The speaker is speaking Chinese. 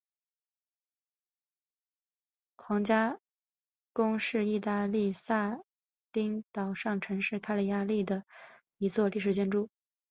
皇家宫是义大利撒丁岛上城市卡利亚里的一座历史建筑。